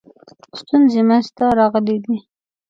ستونزې منځته راغلي دي.